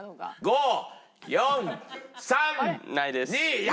５４３。